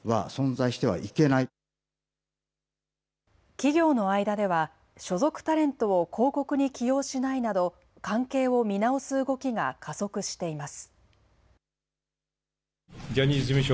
企業の間では、所属タレントを広告に起用しないなど、関係を見直す動きが加速しています。